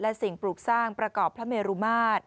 และสิ่งปลูกสร้างประกอบพระเมรุมาตร